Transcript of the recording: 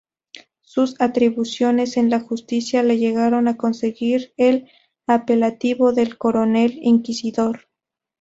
Sus atribuciones en la justicia le llegaron a conseguir el apelativo del "coronel inquisidor".